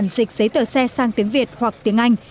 dịch giấy tờ xe sang tiếng việt hoặc tiếng anh